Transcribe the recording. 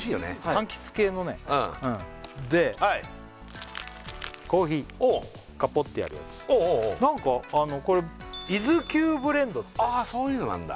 かんきつ系のねうんではいカポッてやるやつなんかこれ伊豆急ブレンドつったよああそういうのなんだ